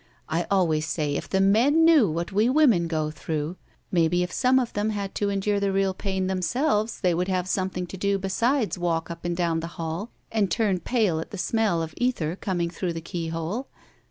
I always say if the men knew what we women go through — Maybe if some erf them had to endure the real pain theijiselves they would have something to do besides walk up and down the hall and turn pale at the smell of ether coming through the key hole.